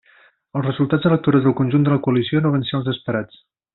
Els resultats electorals del conjunt de la coalició no van ser els esperats.